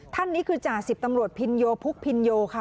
ท่านนี้คือจ่าสิบตำรวจพินโยพุกพินโยค่ะ